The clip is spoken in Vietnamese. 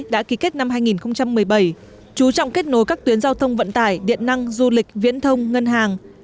đã ký kết năm hai nghìn một mươi bảy chú trọng kết nối các tuyến giao thông vận tải điện năng du lịch viễn thông ngân hàng